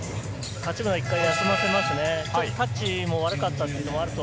八村を一回休ませますね。